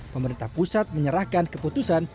pemerintah pusat menyerahkan keputusan